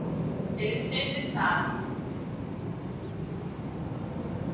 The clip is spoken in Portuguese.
Ele sempre sabe